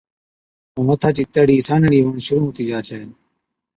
ائُون هٿا چِي تڙِي سانهِي هُوَڻ شرُوع هُتِي جا ڇَي۔